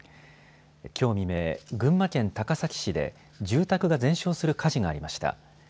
きょう未明、群馬県高崎市で住宅が全焼する火事がありました。